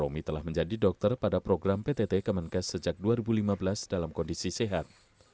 romi telah menjadi dokter pada program ptt kemenkes sejak dua ribu lima belas dalam kondisi sehat